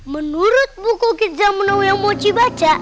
menurut buku kit zamno yang moci baca